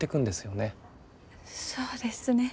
そうですね。